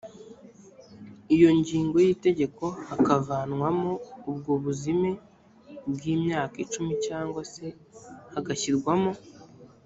iyo ngingo y’itegeko hakavanwamo ubwo buzime bw’imyaka icumi cyangwa se hagashyirwamo